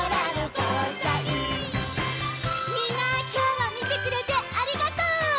みんなきょうはみてくれてありがとう！